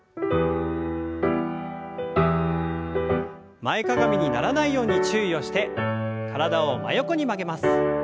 前かがみにならないように注意をして体を真横に曲げます。